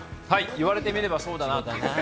言われてみればそうだなと。